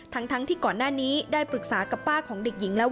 ทั้งทั้งที่ก่อนหน้านี้ได้ปรึกษากับเป็นพ่อครับ